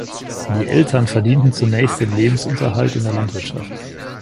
Die Eltern verdienten zunächst den Lebensunterhalt in der Landwirtschaft.